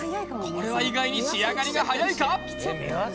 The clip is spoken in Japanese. これは意外に仕上がりがはやいか？